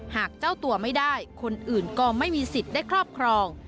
หากเจ้าตัวไม่ได้คนอื่นก็ไม่มีสิทธิ์ได้ครอบครอง